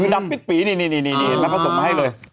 ดำปีดน้ำผสมให้เลย